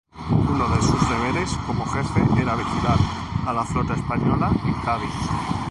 Uno de sus deberes como jefe era vigilar a la flota española en Cádiz.